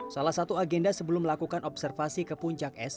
salah satu agenda sebelum melakukan observasi ke puncak es